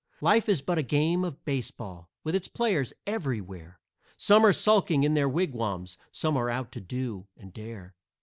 Life is but a game of baseball, with its players everywhere; Some are sulking in their wigwams, some are out to do and dare.